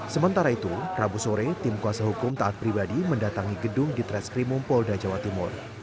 sementara itu rabu sore tim kuasa hukum taat pribadi mendatangi gedung di treskrimum polda jawa timur